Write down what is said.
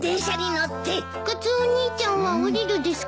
カツオお兄ちゃんは降りるですか？